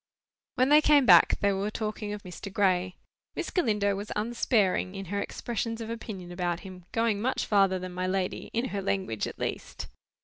When they came back, they were talking of Mr. Gray. Miss Galindo was unsparing in her expressions of opinion about him: going much farther than my lady—in her language, at least.